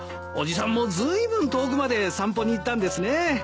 伯父さんもずいぶん遠くまで散歩に行ったんですね。